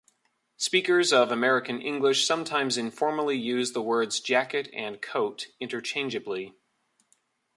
Speakers of American English sometimes informally use the words "jacket" and "coat" interchangeably.